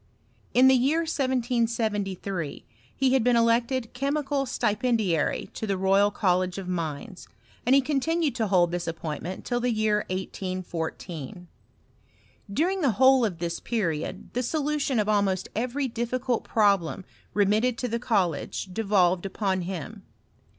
In the year 1773 he had been elected chemical stipendiary to the Royal College of Mines, and he €K)ntinaed to hold this appointment till the year 1814. During the whole of this period the solution of almost every difficult problem remitted to the college devolved upon him.